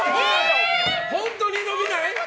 本当にのびない？